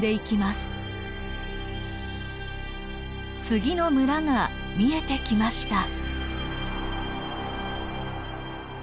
次の村が見えてきました。